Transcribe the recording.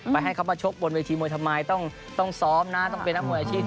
ให้เขามาชกบนเวทีมวยทำไมต้องซ้อมนะต้องเป็นนักมวยอาชีพ